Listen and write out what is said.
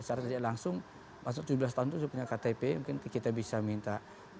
saya rasa langsung tujuh belas tahun itu sudah punya ktp mungkin kita bisa minta